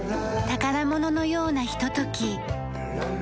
宝物のようなひととき。